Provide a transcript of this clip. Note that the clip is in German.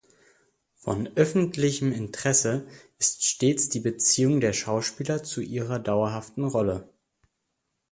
Von öffentlichem Interesse ist stets die Beziehung der Schauspieler zu ihrer dauerhaften Rolle.